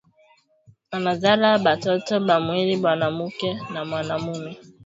Anazala batoto ba wili mwanamuke na mwanume